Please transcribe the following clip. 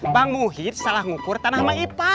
pak muhyiddin salah ngukur tanah mahipa